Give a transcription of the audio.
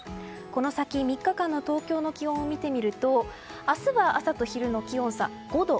この先３日間の東京の気温を見てみると明日は朝と昼の気温差、５度。